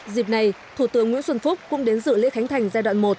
dịp này thủ tướng nguyễn xuân phúc cũng đến dự lễ khánh thành giai đoạn một